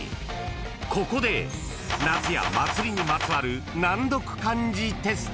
［ここで夏や祭りにまつわる難読漢字テスト］